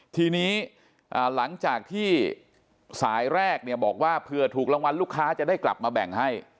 ทีนี้หลังจากที่สายแรกเนี่ยบอกว่าเผื่อถูกรางวัลลูกค้าจะได้กลับมาแบ่งให้